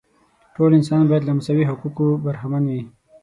ټول انسانان باید له مساوي حقوقو برخمن وي.